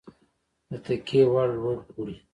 د تکیې وړ لوړ پوړی